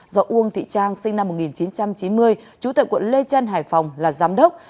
do uông thị trang sinh năm một nghìn chín trăm chín mươi chủ tịch quận lê trân hải phòng là giám đốc